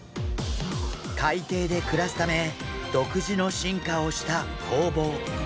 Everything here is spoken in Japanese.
海底で暮らすため独自の進化をしたホウボウ。